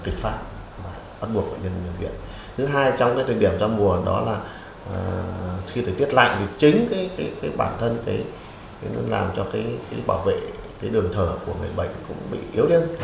khi thời tiết lạnh thì chính bản thân làm cho bảo vệ đường thở của người bệnh cũng bị yếu điên